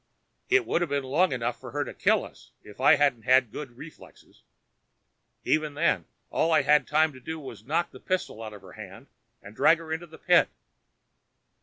It would have been long enough for her to kill us if I hadn't had good reflexes. Even then, all I had time to do was knock the pistol out of her hand and drag her into the pit.